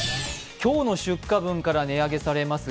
今日の出荷分から値上げされます